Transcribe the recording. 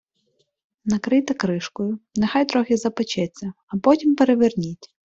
Накрийте кришкою, нехай трохи запечеться, а потім переверніть.